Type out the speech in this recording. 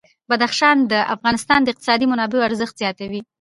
بدخشان د افغانستان د اقتصادي منابعو ارزښت زیاتوي.